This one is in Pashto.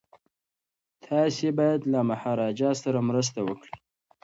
تاسي باید له مهاراجا سره مرسته وکړئ.